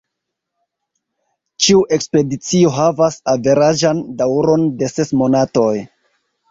Ĉiu ekspedicio havas averaĝan daŭron de ses monatoj.